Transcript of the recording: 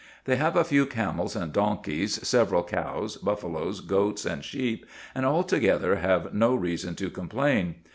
They have a few camels and donkeys, several cows, buffaloes, goats, and sheep, and altogether have no reason to complain.